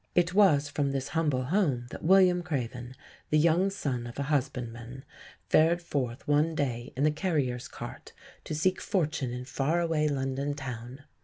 It was from this humble home that William Craven, the young son of a husbandman, fared forth one day in the carrier's cart to seek fortune in far away London town.